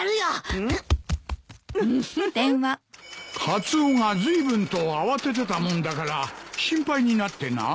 カツオがずいぶんと慌ててたもんだから心配になってな。